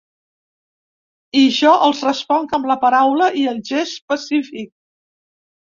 I jo els responc amb la paraula i el gest pacífic.